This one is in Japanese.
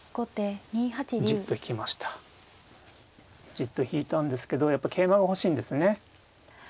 じっと引いたんですけどやっぱ桂馬が欲しいんですね。